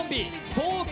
東京